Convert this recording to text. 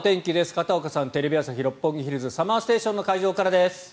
片岡さんテレビ朝日・六本木ヒルズＳＵＭＭＥＲＳＴＡＴＩＯＮの会場からです。